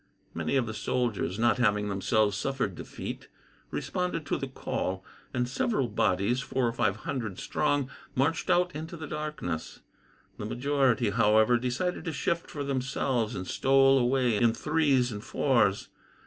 Many of the soldiers, not having themselves suffered defeat, responded to the call; and several bodies, four or five hundred strong, marched out into the darkness. The majority, however, decided to shift for themselves, and stole away in threes and fours.